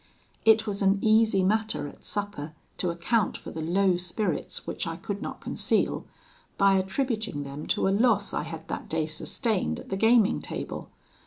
"It was an easy matter at supper to account for the low spirits which I could not conceal, by attributing them to a loss I had that day sustained at the gaming table.